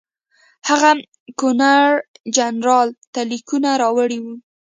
هغه ګورنرجنرال ته لیکونه راوړي وو.